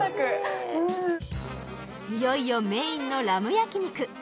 いよいよメインのラム焼肉